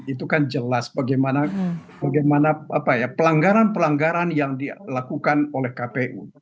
itu kan jelas bagaimana pelanggaran pelanggaran yang dilakukan oleh kpu